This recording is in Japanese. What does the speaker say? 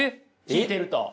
聞いてると。